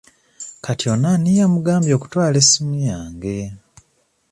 Kati ono ani yamugambye okutwala essimu yange.